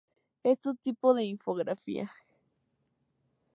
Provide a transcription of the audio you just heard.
Es un tipo de infografía.